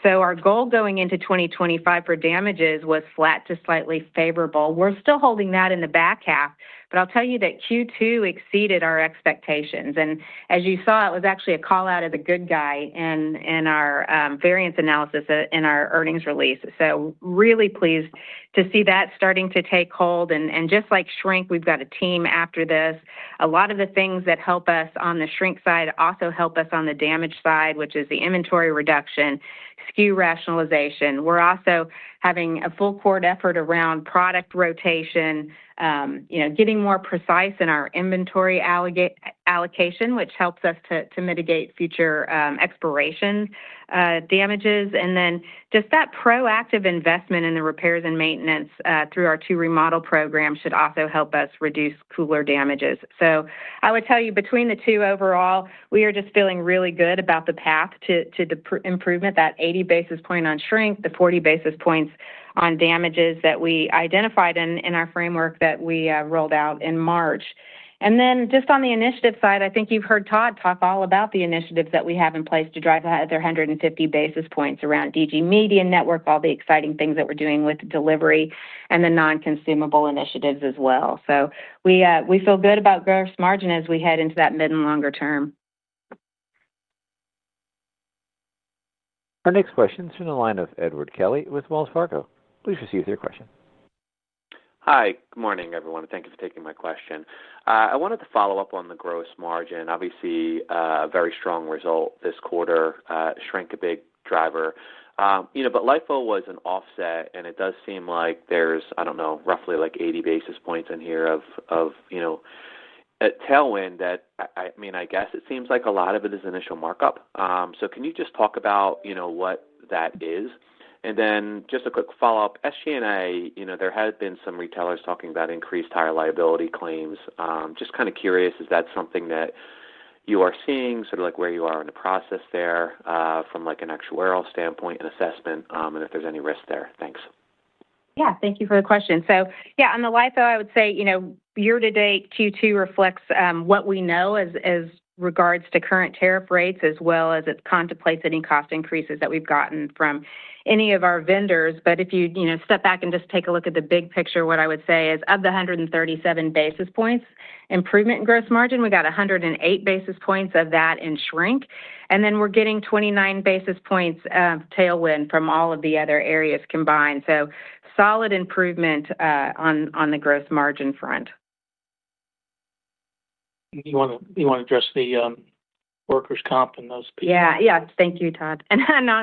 Our goal going into 2025 for damages was flat to slightly favorable. We're still holding that in the back half, but I'll tell you that Q2 exceeded our expectations, and as you saw, it was actually a call out of the good guy in our variance analysis in our earnings release. Really pleased to see that starting to take hold, and just like shrink, we've got a team after this. A lot of the things that help us on the shrink side also help us on the damage side, which is the inventory reduction, SKU rationalization. We're also having a full court effort around product rotation, you know, getting more precise in our inventory allocation, which helps us to mitigate future expiration damages, and just that proactive investment in the repairs and maintenance through our two remodel programs should also help us reduce cooler damages. I would tell you, between the two overall, we are just feeling really good about the path to the improvement, that 80 basis point on shrink, the 40 basis points on damages that we identified in our framework that we rolled out in March. On the initiative side, I think you've heard Todd talk all about the initiatives that we have in place to drive their 150 basis points around DG Media Network, all the exciting things that we're doing with delivery, and the non-consumable initiatives as well. We feel good about gross margin as we head into that mid and longer term. Our next question is from the line Edward Kelly with Wells Fargo. Please proceed with your question. Hi, good morning, everyone. Thank you for taking my question. I wanted to follow up on the gross margin. Obviously, a very strong result this quarter. Shrink, a big driver. LIFO was an offset, and it does seem like there's, I don't know, roughly like 80 basis points in here of a tailwind that, I mean, I guess it seems like a lot of it is initial markup. Can you just talk about what that is? Just a quick follow-up. SG&A, there have been some retailers talking about increased higher liability claims. Just kind of curious, is that something that you are seeing? Sort of like where you are in the process there from an actuarial standpoint and assessment, and if there's any risk there. Thanks. Thank you for the question. On the LIFO, I would say, you know, year to date, Q2 reflects what we know as regards to current tariff rates, as well as it contemplates any cost increases that we've gotten from any of our vendors. If you step back and just take a look at the big picture, what I would say is of the 137 basis points improvement in gross margin, we got 108 basis points of that in shrink, and then we're getting 29 basis points tailwind from all of the other areas combined. Solid improvement on the gross margin front. You want to address the workers' comp and those pieces? Thank you, Todd. On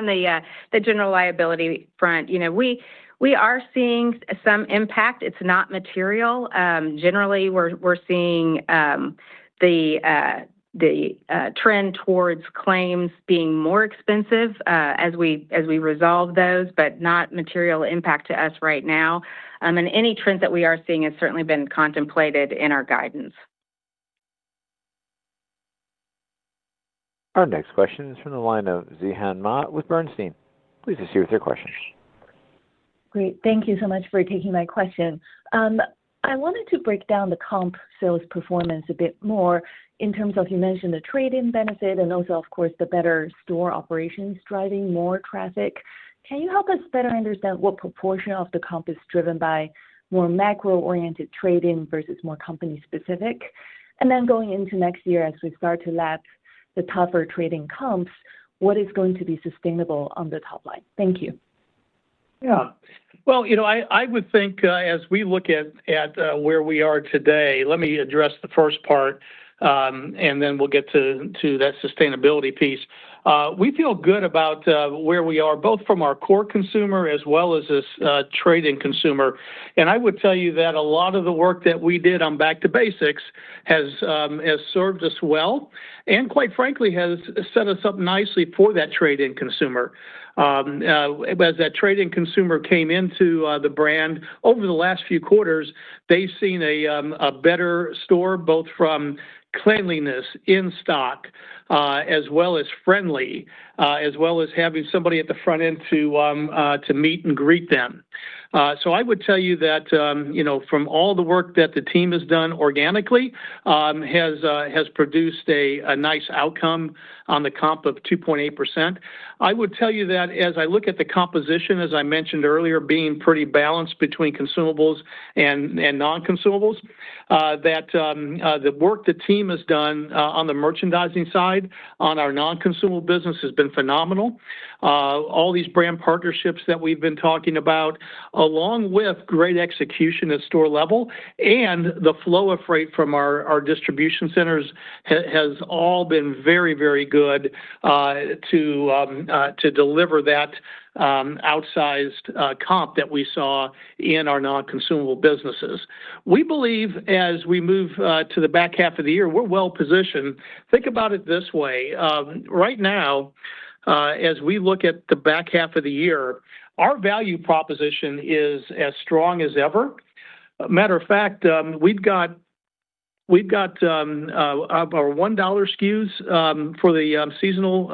the general liability front, we are seeing some impact. It's not material. Generally, we're seeing the trend towards claims being more expensive as we resolve those, but not material impact to us right now. Any trends that we are seeing have certainly been contemplated in our guidance. Our next question is from the line of Zhihan Ma with Bernstein. Please proceed with your question. Great, thank you so much for taking my question. I wanted to break down the comp sales performance a bit more in terms of, you mentioned the trade-in benefit and also, of course, the better store operations driving more traffic. Can you help us better understand what proportion of the comp is driven by more macro-oriented trade-in versus more company-specific? Going into next year, as we start to lapse the tougher trade-in comps, what is going to be sustainable on the top line? Thank you. Yeah, as we look at where we are today, let me address the first part, and then we'll get to that sustainability piece. We feel good about where we are, both from our core consumer as well as this trade-in consumer. I would tell you that a lot of the work that we did on back-to-basics has served us well and, quite frankly, has set us up nicely for that trade-in consumer. As that trade-in consumer came into the brand over the last few quarters, they've seen a better store, both from cleanliness in stock as well as friendly, as well as having somebody at the front end to meet and greet them. I would tell you that from all the work that the team has done organically, it has produced a nice outcome on the comp of 2.8%. As I look at the composition, as I mentioned earlier, being pretty balanced between consumables and non-consumables, the work the team has done on the merchandising side on our non-consumable business has been phenomenal. All these brand partnerships that we've been talking about, along with great execution at store level, and the flow of freight from our distribution centers has all been very, very good to deliver that outsized comp that we saw in our non-consumable businesses. We believe, as we move to the back half of the year, we're well-positioned. Think about it this way. Right now, as we look at the back half of the year, our value proposition is as strong as ever. As a matter of fact, we've got our $1 SKUs for the seasonal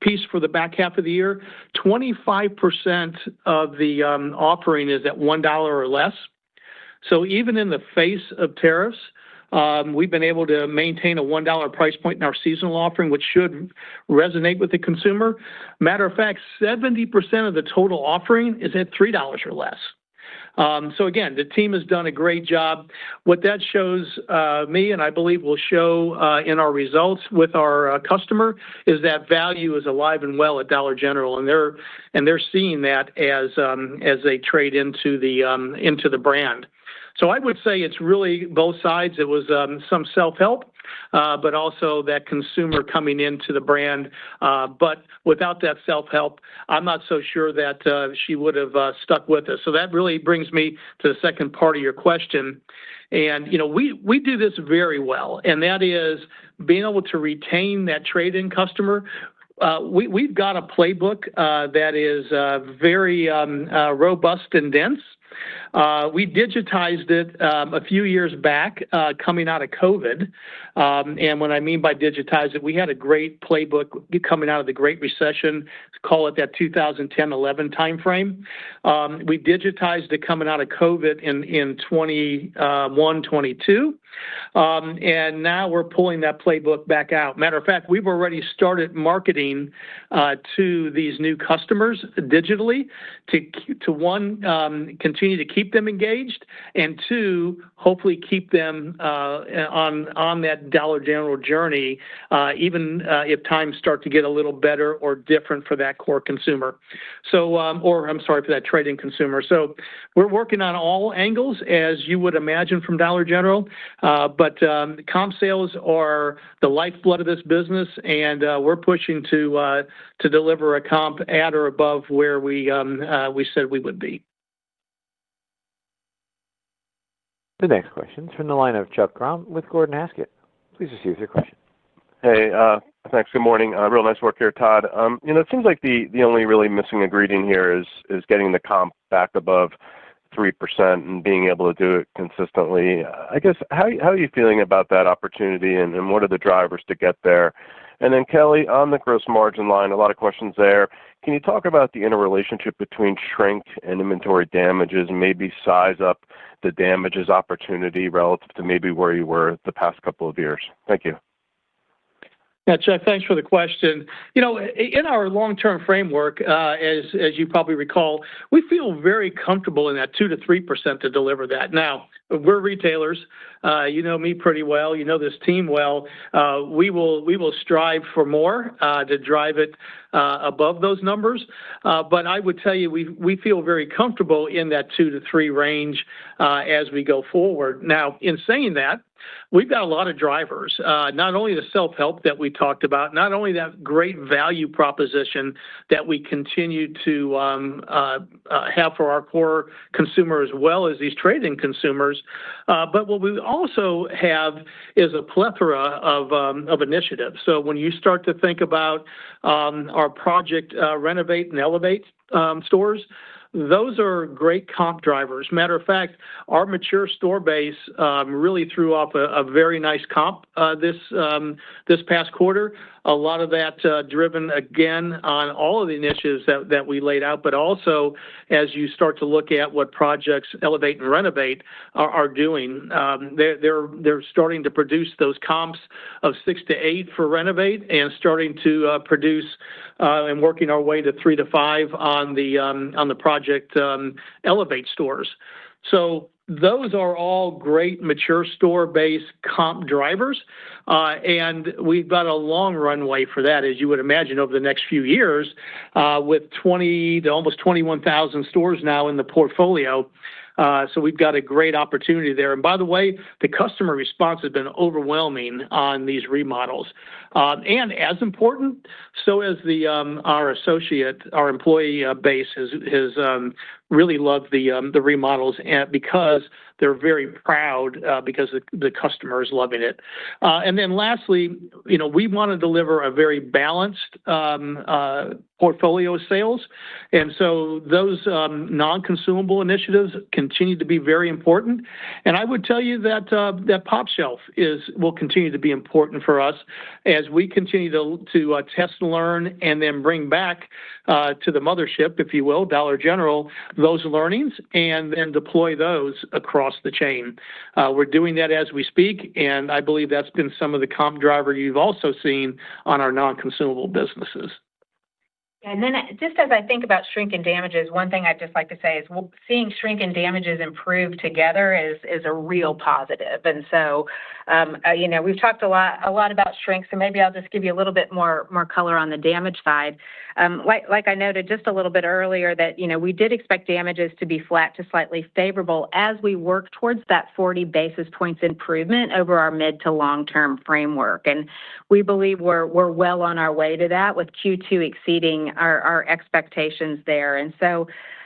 piece for the back half of the year. 25% of the offering is at $1 or less. Even in the face of tariffs, we've been able to maintain a $1 price point in our seasonal offering, which should resonate with the consumer. As a matter of fact, 70% of the total offering is at $3 or less. The team has done a great job. What that shows me, and I believe will show in our results with our customer, is that value is alive and well at Dollar General, and they're seeing that as a trade-in to the brand. I would say it's really both sides. It was some self-help, but also that consumer coming into the brand. Without that self-help, I'm not so sure that she would have stuck with us. That really brings me to the second part of your question. We do this very well, and that is being able to retain that trade-in customer. We've got a playbook that is very robust and dense. We digitized it a few years back coming out of COVID. What I mean by digitize it, we had a great playbook coming out of the Great Recession, call it that 2010-2011 timeframe. We digitized it coming out of COVID in 2021, 2022. Now we're pulling that playbook back out. Matter of fact, we've already started marketing to these new customers digitally to, one, continue to keep them engaged, and two, hopefully keep them on that Dollar General journey, even if times start to get a little better or different for that core consumer, or, I'm sorry, for that trade-in consumer. We're working on all angles, as you would imagine from Dollar General, but comp sales are the lifeblood of this business, and we're pushing to deliver a comp at or above where we said we would be. The next question is from the line of Chuck Grom with Gordon Haskett. Please proceed with your question. Hey, thanks. Good morning. Real nice work here, Todd. You know, it seems like the only really missing ingredient here is getting the comp back above 3% and being able to do it consistently. I guess, how are you feeling about that opportunity, and what are the drivers to get there? Kelly, on the gross margin line, a lot of questions there. Can you talk about the interrelationship between shrink and inventory damages, and maybe size up the damages opportunity relative to maybe where you were the past couple of years? Thank you. Yeah, Chuck, thanks for the question. In our long-term framework, as you probably recall, we feel very comfortable in that 2%-3% to deliver that. Now, we're retailers. You know me pretty well. You know this team well. We will strive for more to drive it above those numbers, but I would tell you we feel very comfortable in that 2%-3% range as we go forward. In saying that, we've got a lot of drivers. Not only the self-help that we talked about, not only that great value proposition that we continue to have for our core consumer as well as these trade-in consumers, but what we also have is a plethora of initiatives. When you start to think about our Project Renovate and Elevate stores, those are great comp drivers. As a matter of fact, our mature store base really threw off a very nice comp this past quarter. A lot of that driven again on all of the initiatives that we laid out, but also as you start to look at what Projects Elevate and Renovate are doing, they're starting to produce those comps of 6%-8% for Renovate and starting to produce and working our way to 3%-5% on the Project Elevate stores. Those are all great mature store base comp drivers, and we've got a long runway for that, as you would imagine, over the next few years, with almost 21,000 stores now in the portfolio. We've got a great opportunity there. By the way, the customer response has been overwhelming on these remodels. As important, so has our associate, our employee base has really loved the remodels because they're very proud because the customer is loving it. Lastly, we want to deliver a very balanced portfolio of sales, and those non-consumable initiatives continue to be very important. I would tell you that that pOpshelf will continue to be important for us as we continue to test and learn and then bring back to the mothership, if you will, Dollar General, those learnings, and then deploy those across the chain. We're doing that as we speak, and I believe that's been some of the comp driver you've also seen on our non-consumable businesses. Yeah, as I think about shrink and damages, one thing I'd just like to say is seeing shrink and damages improve together is a real positive. We've talked a lot about shrink, so maybe I'll just give you a little bit more color on the damage side. Like I noted just a little bit earlier, we did expect damages to be flat to slightly favorable as we work towards that 40 basis points improvement over our mid to long-term framework. We believe we're well on our way to that with Q2 exceeding our expectations there.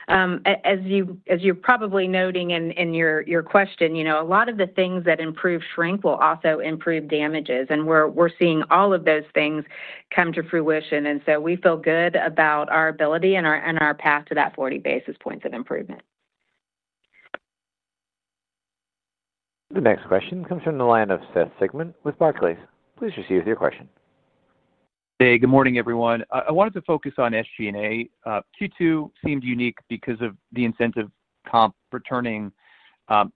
As you're probably noting in your question, a lot of the things that improve shrink will also improve damages, and we're seeing all of those things come to fruition. We feel good about our ability and our path to that 40 basis points of improvement. The next question comes from the line of Seth Ian Sigman with Barclays. Please proceed with your question. Hey, good morning, everyone. I wanted to focus on SG&A. Q2 seemed unique because of the incentive comp returning.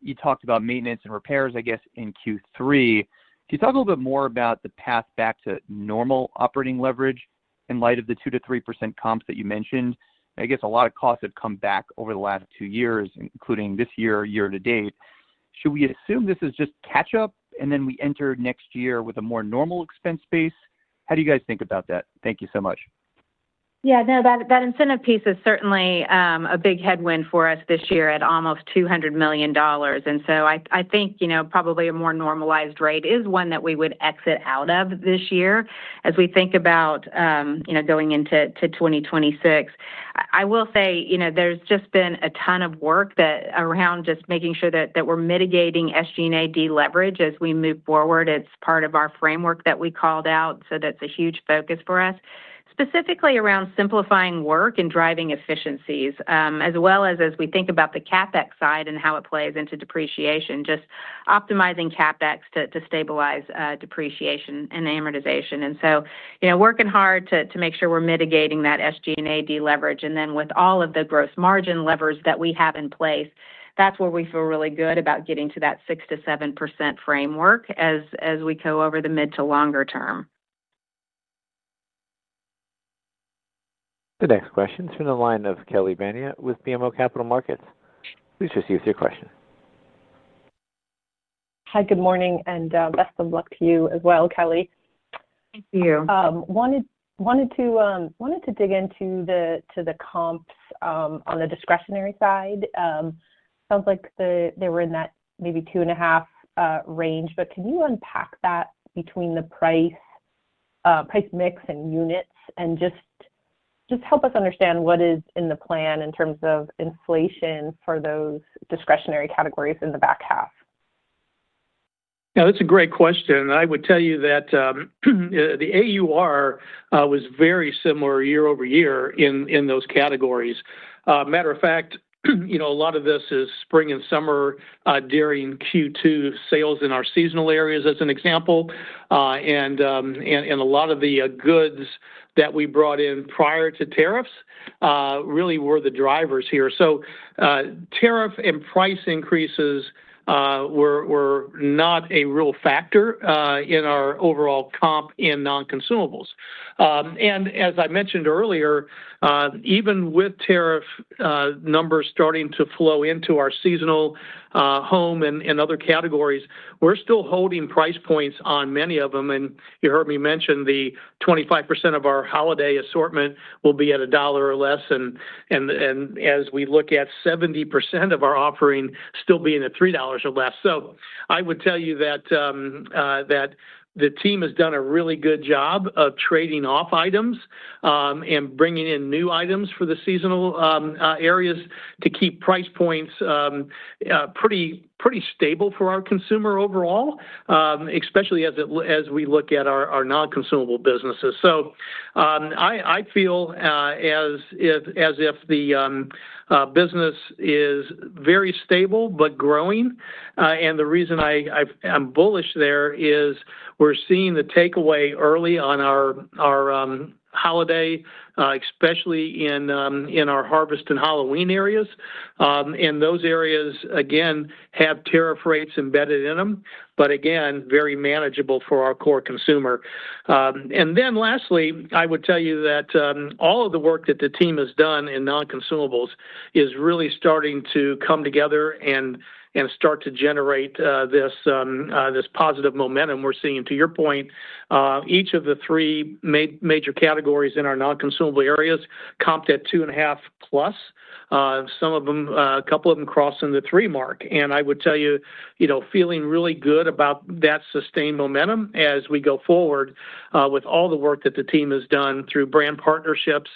You talked about maintenance and repairs, I guess, in Q3. Can you talk a little bit more about the path back to normal operating leverage in light of the 2%-3% comps that you mentioned? I guess a lot of costs have come back over the last two years, including this year, year to date. Should we assume this is just catch-up and then we enter next year with a more normal expense base? How do you guys think about that? Thank you so much. Yeah, no, that incentive piece is certainly a big headwind for us this year at almost $200 million. I think probably a more normalized rate is one that we would exit out of this year as we think about going into 2026. I will say there's just been a ton of work around just making sure that we're mitigating SG&A deleverage as we move forward. It's part of our framework that we called out, so that's a huge focus for us, specifically around simplifying work and driving efficiencies, as well as as we think about the CapEx side and how it plays into depreciation, just optimizing CapEx to stabilize depreciation and amortization. We're working hard to make sure we're mitigating that SG&A deleverage. With all of the gross margin levers that we have in place, that's where we feel really good about getting to that 6%-7% framework as we go over the mid to longer term. The next question is from the line of Kelly Bania with BMO Capital Markets. Please proceed with your question. Hi, good morning, and best of luck to you as well, Kelly. Thank you. Wanted to dig into the comps on the discretionary side. Sounds like they were in that maybe 2.5% range, but can you unpack that between the price mix and units and just help us understand what is in the plan in terms of inflation for those discretionary categories in the back half? Yeah, that's a great question. I would tell you that the AUR was very similar year over year in those categories. Matter of fact, a lot of this is spring and summer during Q2 sales in our seasonal areas as an example, and a lot of the goods that we brought in prior to tariffs really were the drivers here. Tariff and price increases were not a real factor in our overall comp in non-consumables. As I mentioned earlier, even with tariff numbers starting to flow into our seasonal home and other categories, we're still holding price points on many of them. You heard me mention the 25% of our holiday assortment will be at a dollar or less, and as we look at 70% of our offering still being at $3 or less. I would tell you that the team has done a really good job of trading off items and bringing in new items for the seasonal areas to keep price points pretty stable for our consumer overall, especially as we look at our non-consumable businesses. I feel as if the business is very stable but growing, and the reason I'm bullish there is we're seeing the takeaway early on our holiday, especially in our harvest and Halloween areas. Those areas, again, have tariff rates embedded in them, but again, very manageable for our core consumer. Lastly, I would tell you that all of the work that the team has done in non-consumables is really starting to come together and start to generate this positive momentum we're seeing. To your point, each of the three major categories in our non-consumable areas comped at two and a half plus. Some of them, a couple of them cross into three mark. I would tell you, you know, feeling really good about that sustained momentum as we go forward with all the work that the team has done through brand partnerships,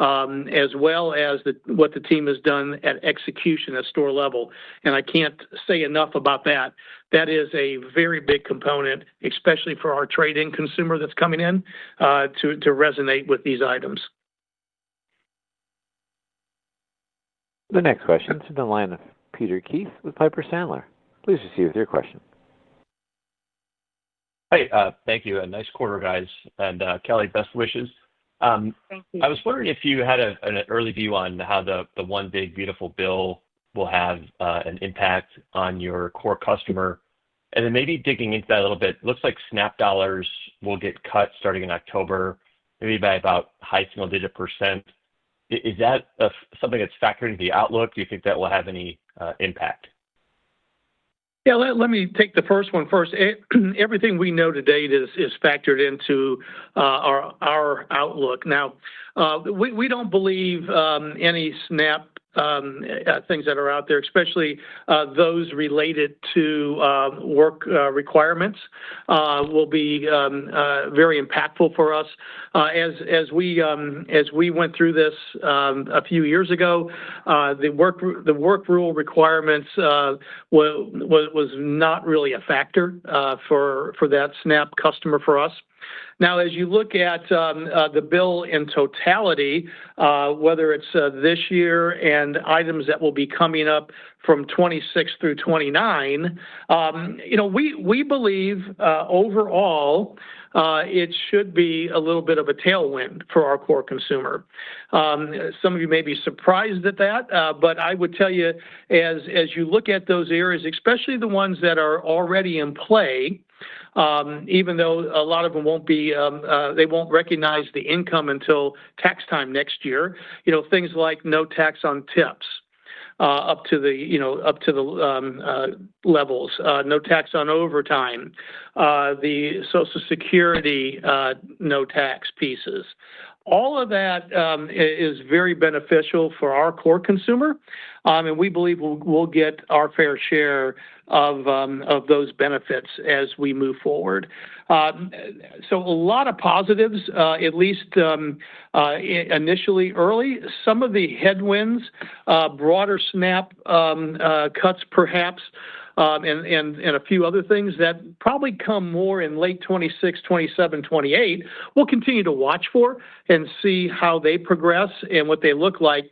as well as what the team has done at execution at store level. I can't say enough about that. That is a very big component, especially for our trade-in consumer that's coming in, to resonate with these items. The next question is from the line of Peter Keith with Piper Sandler. Please proceed with your question. Thank you. A nice quarter, guys. Kelly, best wishes. I was wondering if you had an early view on how the one big beautiful bill will have an impact on your core customer. Maybe digging into that a little bit, it looks like SNAP dollars will get cut starting in October, maybe by about a high single digit percent. Is that something that's factored into the outlook? Do you think that will have any impact? Yeah, let me take the first one first. Everything we know today is factored into our outlook. Now, we don't believe any SNAP things that are out there, especially those related to work requirements, will be very impactful for us. As we went through this a few years ago, the work rule requirements were not really a factor for that SNAP customer for us. Now, as you look at the bill in totality, whether it's this year and items that will be coming up from 2026 through 2029, we believe overall it should be a little bit of a tailwind for our core consumer. Some of you may be surprised at that, but I would tell you, as you look at those areas, especially the ones that are already in play, even though a lot of them won't recognize the income until tax time next year, things like no tax on tips up to the levels, no tax on overtime, the Social Security no tax pieces. All of that is very beneficial for our core consumer, and we believe we'll get our fair share of those benefits as we move forward. A lot of positives, at least initially early. Some of the headwinds, broader SNAP cuts perhaps, and a few other things that probably come more in late 2026, 2027, 2028, we'll continue to watch for and see how they progress and what they look like.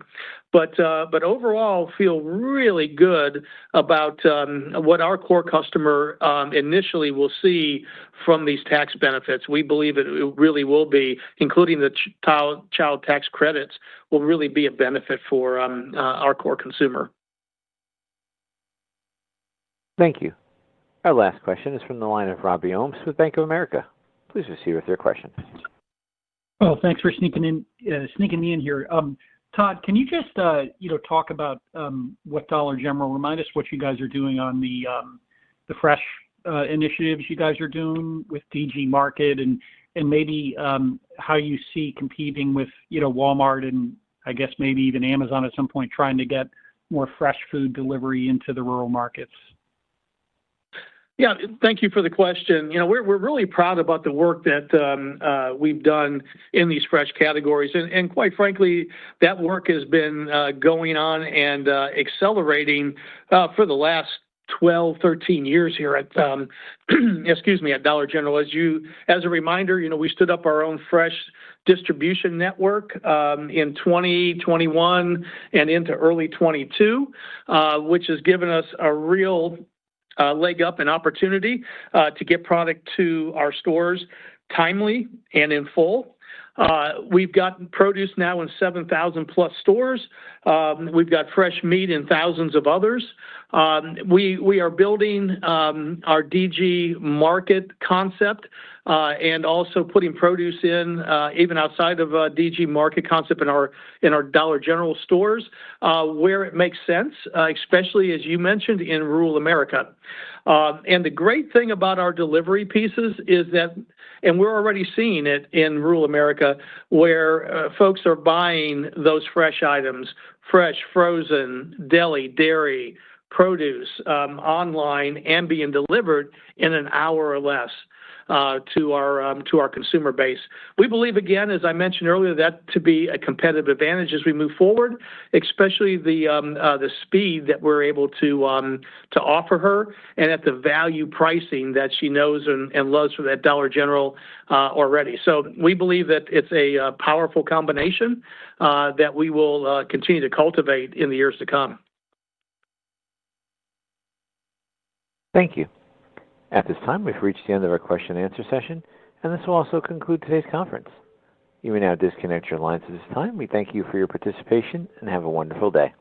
Overall, I feel really good about what our core customer initially will see from these tax benefits. We believe it really will be, including the child tax credits, will really be a benefit for our core consumer. Thank you. Our last question is from the line of Robbie Ohms with Bank of America. Please proceed with your question. Thanks for sneaking in here. Todd, can you just talk about what Dollar General, remind us what you guys are doing on the fresh initiatives you guys are doing with DG Market and maybe how you see competing with Walmart and I guess maybe even Amazon at some point trying to get more fresh food delivery into the rural markets? Yeah, thank you for the question. We're really proud about the work that we've done in these fresh categories, and quite frankly, that work has been going on and accelerating for the last 12, 13 years here at Dollar General. As a reminder, we stood up our own fresh distribution network in 2021 and into early 2022, which has given us a real leg up and opportunity to get product to our stores timely and in full. We've gotten produce now in 7,000 plus stores. We've got fresh meat in thousands of others. We are building our DG Market concept and also putting produce in even outside of the DG Market concept in our Dollar General stores where it makes sense, especially, as you mentioned, in rural America. The great thing about our delivery pieces is that we're already seeing it in rural America where folks are buying those fresh items, fresh, frozen, deli, dairy, produce online and being delivered in an hour or less to our consumer base. We believe, again, as I mentioned earlier, that to be a competitive advantage as we move forward, especially the speed that we're able to offer her and at the value pricing that she knows and loves for Dollar General already. We believe that it's a powerful combination that we will continue to cultivate in the years to come. Thank you. At this time, we've reached the end of our question and answer session, and this will also conclude today's conference. You may now disconnect your lines at this time. We thank you for your participation and have a wonderful day.